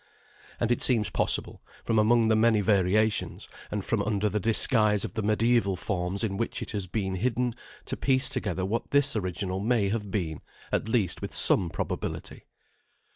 And it seems possible, from among the many variations, and from under the disguise of the mediaeval forms in which it has been hidden, to piece together what this original may have been, at least with some probability.